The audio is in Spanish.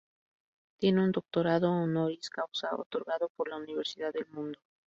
Tiene un Doctorado "Honoris Causa" otorgado por la Universidad del Mundo.